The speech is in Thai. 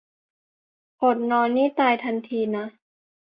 อดนอนนี่ตายทันทีนะ